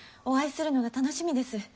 お会いするのが楽しみです。